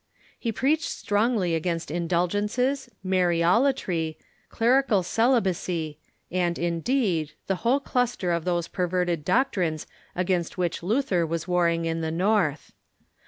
He preached strongly against indulgences, Mariolatry, clerical celibacy, and, indeed, the whole cluster of those perverted doctrines aarainst which Luther was warring in the North.